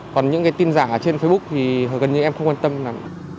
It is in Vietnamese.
còn những cái tin giả trên facebook thì gần như em không quan tâm lắm